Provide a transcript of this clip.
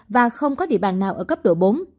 và không có địa bàn nào ở cấp độ bốn